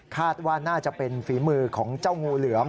คาดว่าน่าจะเป็นฝีมือของเจ้างูเหลือม